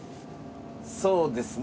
そうですね。